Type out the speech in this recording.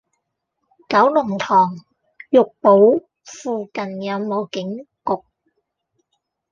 九龍塘珏堡附近有無警局？